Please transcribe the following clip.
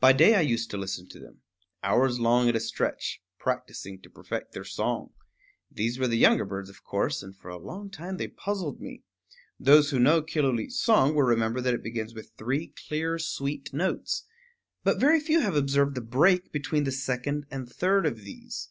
By day I used to listen to them, hours long at a stretch, practicing to perfect their song. These were the younger birds, of course; and for a long time they puzzled me. Those who know Killooleet's song will remember that it begins with three clear sweet notes; but very few have observed the break between the second and third of these.